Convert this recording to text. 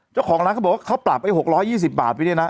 เจ้าของร้านเขาบอกว่าเขาปรับไอ้๖๒๐บาทไปเนี่ยนะ